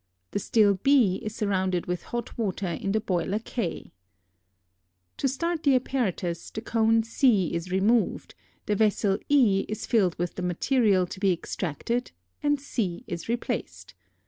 The still B is surrounded with hot water in the boiler K. To start the apparatus the cone C is removed, the vessel E is filled with the material to be extracted, and C is replaced.